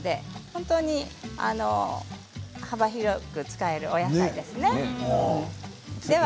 本当に幅広く使えるお野菜ですね。